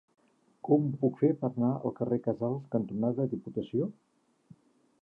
Com ho puc fer per anar al carrer Casals cantonada Diputació?